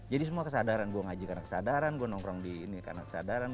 jadi semua kesadaran gue ngaji karena kesadaran gue nongkrong di ini karena kesadaran